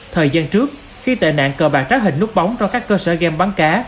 thời gian trước khi tệ nạn cờ bạc trá hình nút bóng trong các cơ sở game bán cá